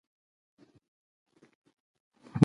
د لیکوال په نظر رښتیانۍ ښکلا په زړه کې وي.